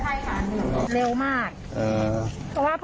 สามสิบห้านะคะอ่าห้าสิบห้าค่ะอ่า